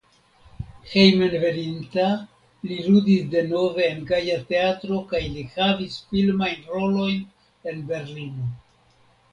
Hejmenveninta li ludis denove en Gaja Teatro kaj li havis filmajn rolojn en Berlino.